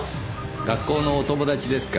学校のお友達ですか？